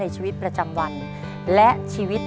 ชีวิตประจำวันและชีวิต